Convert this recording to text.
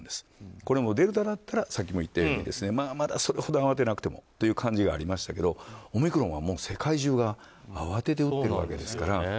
これはデルタだったらさっきも言ったようにそれほど慌てなくてもという感じがありましたがオミクロンは、世界中が慌てて３回目を打ってるわけですから。